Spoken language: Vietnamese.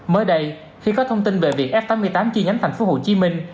mới đây khi có thông tin về việc f tám mươi tám chi nhánh thành phố hồ chí minh